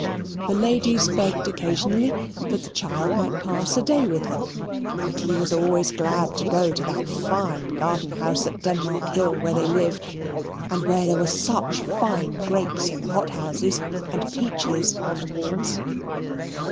The ladies begged occasionally that the child might pass a day with them, and he was always glad to go to that fine garden house at Denmark Hill, where they lived, and where there were such fine grapes in the hot houses and peaches on the walls.